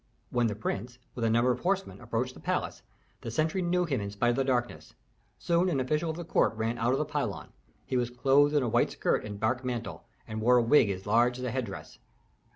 When the prince, with a number of horsemen, approached the palace, the sentry knew him in spite of the darkness. Soon an official of the court ran out of the pylon. He was clothed in a white skirt and dark mantle, and wore a wig as large as a headdress.